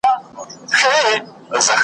قوماندان وايی بری دی ځو پر لنډه لار رسیږو .